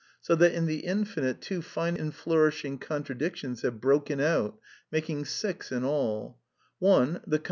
So that in the Infinite two fine and flourishing contra .. dictions have broken out, making six in all : (1) the con 1.